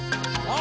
あ。